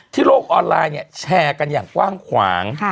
ที่โลกออนไลน์แชร์กันอย่างกว้างขวาง